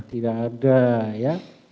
tidak ada ya